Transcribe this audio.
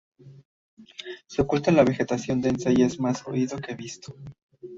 Se oculta en la vegetación densa y es más oído que visto.